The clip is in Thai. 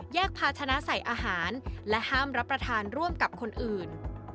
ภาชนะใส่อาหารและห้ามรับประทานร่วมกับคนอื่น